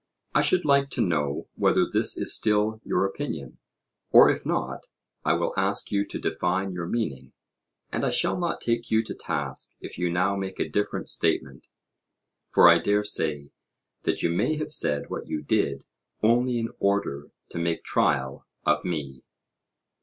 I should like to know whether this is still your opinion; or if not, I will ask you to define your meaning, and I shall not take you to task if you now make a different statement. For I dare say that you may have said what you did only in order to make trial of me.